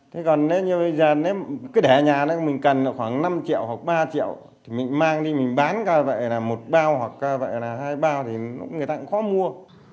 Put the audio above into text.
thế còn nếu như bây giờ cứ để ở nhà mình cần khoảng năm triệu hoặc ba triệu thì mình mang đi mình bán cao vậy là một bao hoặc cao vậy là hai bao thì người ta cũng khó mua